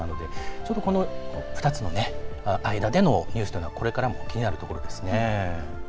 ちょっと、この２つの間でのニュースというのは、これからも気になるところですね。